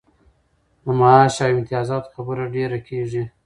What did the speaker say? د معاش او امتیازاتو خبره ډېره کیږي.